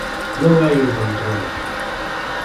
Non hai un control.